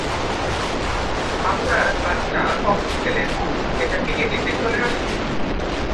আপার কাটটা কখন খেলেন—এটা কি এমনিতেই চলে আসে।